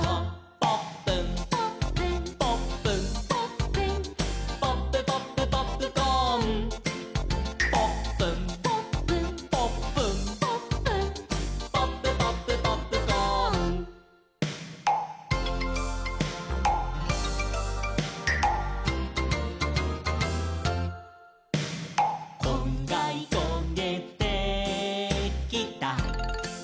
「ポップン」「ポップン」「ポップン」「ポップン」「ポップポップポップコーン」「ポップン」「ポップン」「ポップン」「ポップン」「ポップポップポップコーン」「こんがりこげてきた」